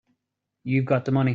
You've got the money.